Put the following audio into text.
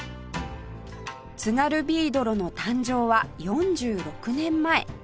津軽びいどろの誕生は４６年前